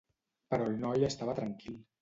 Però el noi estava tranquil.